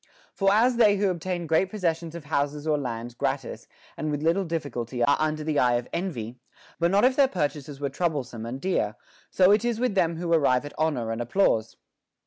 * For as they who obtain great possessions of houses or lands gratis and with little difficulty are under the eye of envy, but not if their purchases were troublesome and dear, so it is with them who arrive at honor and applause.